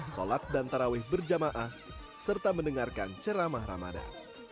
sholat dan taraweh berjamaah serta mendengarkan ceramah ramadan